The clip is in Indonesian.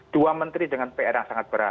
dua menteri dengan pr yang sangat berat